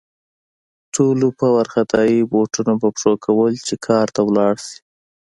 ټولو په وارخطايي بوټونه په پښو کول چې کار ته لاړ شي